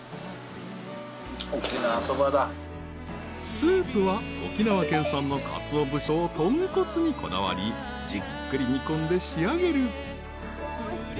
［スープは沖縄県産のかつお節と豚骨にこだわりじっくり煮込んで仕上げる］